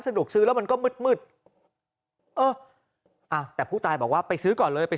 สะดวกซื้อแล้วมันก็มืดมืดเอออ่ะแต่ผู้ตายบอกว่าไปซื้อก่อนเลยไป